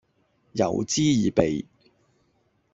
嗤之以鼻